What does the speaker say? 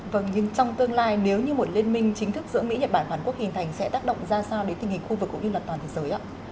vâng nhưng trong tương lai nếu như một liên minh chính thức giữa mỹ nhật bản và hàn quốc hình thành sẽ tác động ra sao đến tình hình khu vực cũng như là toàn thế giới ạ